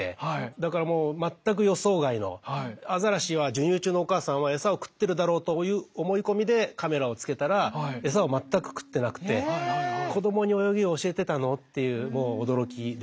だからもう全く予想外のアザラシは授乳中のお母さんは餌を食ってるだろうという思い込みでカメラをつけたら餌を全く食ってなくて子どもに泳ぎを教えてたのっていうもう驚きで。